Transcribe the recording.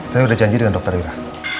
saya sudah janji dengan dokter ira